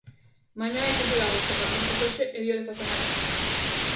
Mañá é quince de agosto e para moitos hoxe é día de facer maletas.